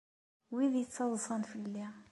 Wid yettaḍsan fell-i!